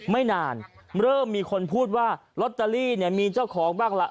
ไม่นานเริ่มมีคนพูดว่าลอตเตอรี่เนี่ยมีเจ้าของบ้างล่ะ